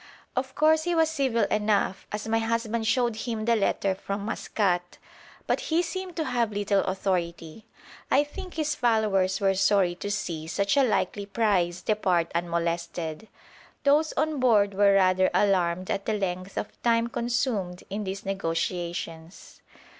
Of course he was civil enough, as my husband showed him the letter from Maskat, but he seemed to have little authority. I think his followers were sorry to see such a likely prize depart unmolested. Those on board were rather alarmed at the length of time consumed in these negotiations.